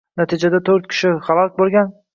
Natijada to‘rt kishi halok bo‘lgan